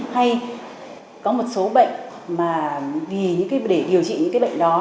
hay có một số bệnh mà để điều trị những bệnh đó